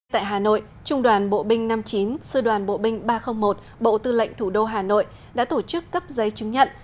tại hà nội trung đoàn bộ binh năm mươi chín sư đoàn bộ binh ba trăm linh một bộ tư lệnh thủ đô hà nội đã tổ chức cấp giấy chứng nhận